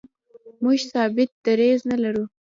موږ ثابت دریځ نه لرو.